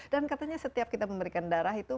dan katanya setiap kita memberikan darah itu